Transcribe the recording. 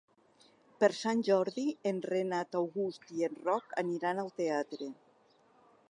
Per Sant Jordi en Renat August i en Roc aniran al teatre.